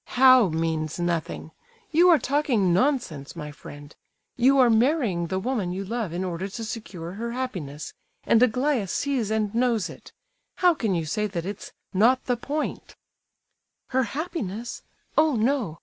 "How 'means nothing'? You are talking nonsense, my friend. You are marrying the woman you love in order to secure her happiness, and Aglaya sees and knows it. How can you say that it's 'not the point'?" "Her happiness? Oh, no!